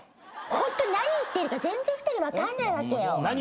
ホントに何言ってるか全然２人分かんないわけよ。